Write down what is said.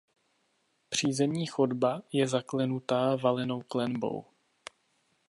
Přízemní chodba je zaklenutá valenou klenbou.